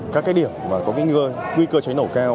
các cái điểm mà có nguy cơ cháy nổ cao